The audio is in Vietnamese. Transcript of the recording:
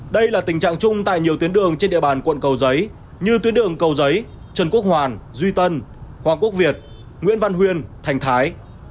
đây là tình trạng chung tại nhiều tuyến đường trên địa bàn quận cầu giấy như tuyến đường cầu giấy trần quốc hoàn duy tân hoàng quốc việt nguyễn văn huyên thành thái